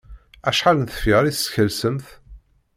Acḥal n tefyar i teskelsemt?